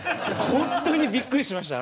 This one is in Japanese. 本当にびっくりしました！